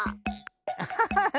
アハハハ！